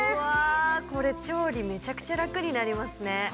これ調理めちゃくちゃ楽になりますね。